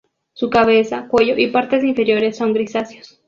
Su cabeza, cuello y partes inferiores son grisáceos.